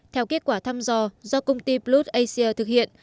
theo kết quả thăm dò do công ty bluet asia thực hiện